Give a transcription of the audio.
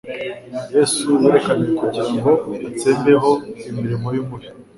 Yesu «yerekaniwe kugira ngo atsembeho imirimo y'umubi.»